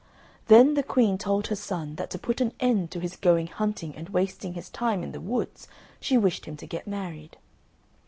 Then the Queen told her son that to put an end to his going hunting and wasting his time in the woods, she wished him to get married.